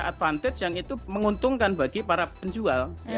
advantage yang itu menguntungkan bagi para penjual